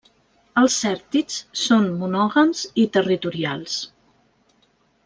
Els cèrtids són monògams i territorials.